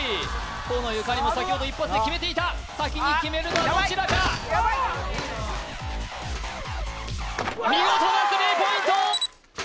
河野ゆかりも先ほど一発で決めていた先に決めるのはどちらか見事なスリーポイント